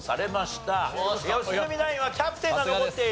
良純ナインはキャプテンが残っている。